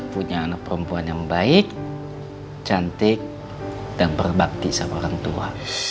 punya anak perempuan yang baik cantik dan berbakti sama orang tua